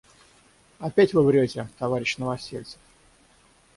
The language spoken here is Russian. Опять Вы врете, товарищ Новосельцев.